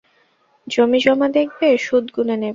জমিজমা দেখবে, সুদ গুনে নেবে।